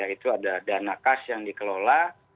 yaitu ada dana kas yang dikelola